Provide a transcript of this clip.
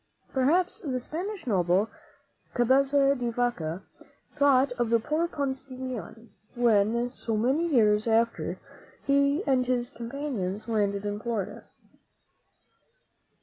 Perhaps the Spanish noble, Cabeza de Vaca, thought of the poor Ponce de Leon when, so many years after, he and his companions landed in Florida.